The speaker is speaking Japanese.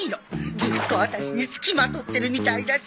ずっとアタシにつきまとってるみたいだし。